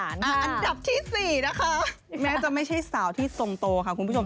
อันดับที่๔นะคะแม้จะไม่ใช่สาวที่ทรงโตค่ะคุณผู้ชม